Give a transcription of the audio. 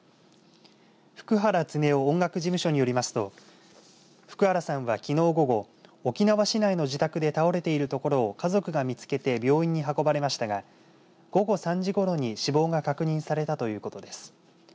普久原恒勇音楽事務所によりますと普久原さんは、きのう午後沖縄市内の自宅で倒れているところを家族が見つけて病院に運ばれましたが午後３時ごろに死亡が確認されたということです。